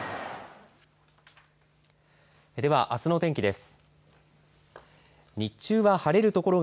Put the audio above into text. ではあすのお天気です。